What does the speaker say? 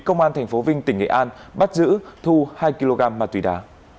công an tp vinh tỉnh nghệ an bắt giữ thu hai kg ma túy đá